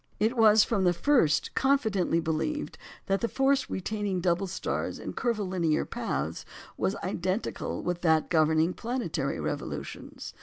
It was from the first confidently believed that the force retaining double stars in curvilinear paths was identical with that governing the planetary revolutions.